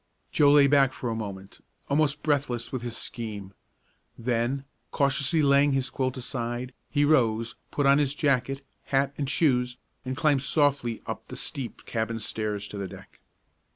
Joe lay back for a moment, almost breathless with his scheme. Then, cautiously laying his quilt aside, he rose, put on his jacket, hat, and shoes, and climbed softly up the steep cabin stairs to the deck.